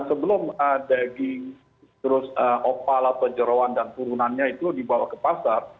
sebelum daging terus opal atau jerawan dan turunannya itu dibawa ke pasar